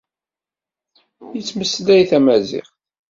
Yettmeslay tamaziɣt.